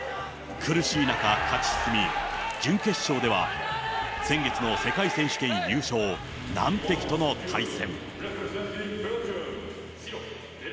苦しい中、勝ち進み、準決勝では、先月の世界選手権優勝、難敵との対戦。